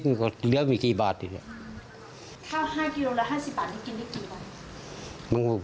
แบบที่ของ๕กิโลเบบรัฐสี่บาทที่กินได้กี่บาท